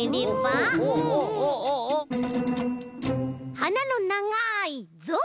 はなのながいぞう！